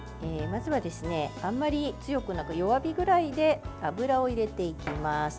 まずは、あんまり強くなく弱火ぐらいで油を入れていきます。